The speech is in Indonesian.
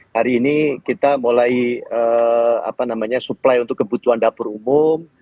hari ini kita mulai supply untuk kebutuhan dapur umum